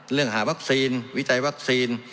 เรื่องหาวักซีนวิจัยวักซีน